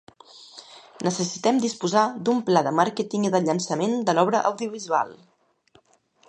Necessitem disposar d'un pla de màrqueting i de llançament de l'obra audiovisual.